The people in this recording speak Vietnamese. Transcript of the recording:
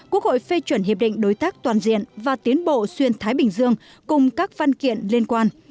quốc hội phê chuẩn hiệp định đối tác toàn diện và tiến bộ xuyên thái bình dương cùng các văn kiện liên quan